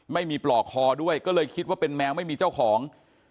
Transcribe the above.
ปลอกคอด้วยก็เลยคิดว่าเป็นแมวไม่มีเจ้าของ